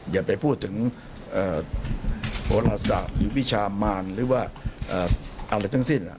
อย่าไปพูดถึงโหลศาสตร์หรือวิชามารหรือว่าอะไรทั้งสิ้น